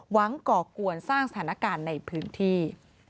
ก่อกวนสร้างสถานการณ์ในพื้นที่